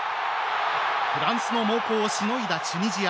フランスの猛攻をしのいだチュニジア。